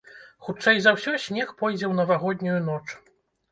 Хутчэй за ўсё, снег пойдзе ў навагоднюю ноч.